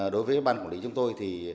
đối với ban quản lý chúng tôi thì